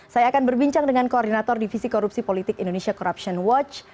saya akan berbincang dengan koordinator divisi korupsi politik indonesia corruption watch